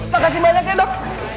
makasih banyak ya dok